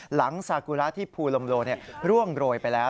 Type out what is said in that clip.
หลังซากูระที่ภูลมโลห์นี่ร่วมโรยไปแล้ว